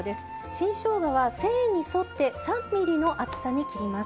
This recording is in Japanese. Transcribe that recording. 新しょうがは繊維に沿って３ｍｍの厚さに切ります。